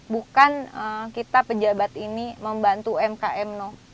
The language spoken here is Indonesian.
bukan kita pejabat ini membantu umkm no